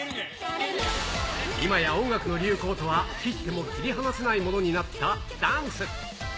いまや音楽の流行とは切っても切り離せないものになったダンス。